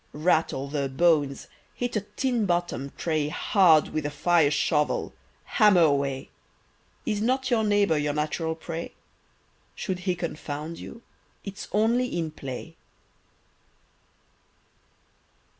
Rattle the "bones," hit a tinbottom'd tray Hard with the fireshovel, hammer away! Is not your neighbour your natural prey? Should he confound you, it's only in play.